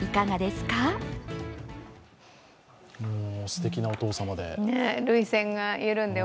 すてきなお父様で。